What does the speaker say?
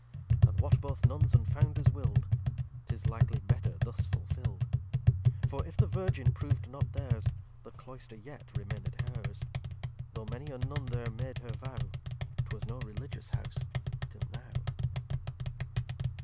And what both Nuns and Founders will'd 'Tis likely better thus fulfill'd, For if the Virgin prov'd not theirs, The Cloyster yet remained hers. Though many a Nun there made her vow, 'Twas no Religious House till now.